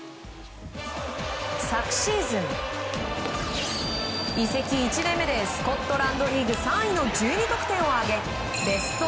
昨シーズン移籍１年目でスコットランドリーグ３位の１２得点を挙げベスト